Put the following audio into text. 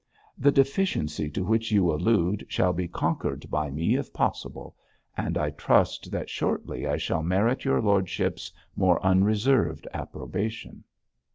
The deficiency to which you allude shall be conquered by me if possible, and I trust that shortly I shall merit your lordship's more unreserved approbation.'